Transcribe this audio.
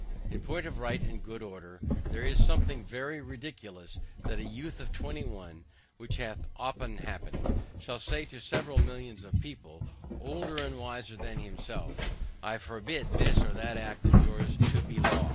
In point of right and good order, there is something very ridiculous, that a youth of twenty one (which hath often happened) shall say to several millions of people, older and wiser than himself, I forbid this or that act of yours to be law.